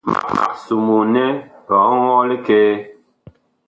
Mag somoo nɛ biɔŋɔɔ likɛɛ.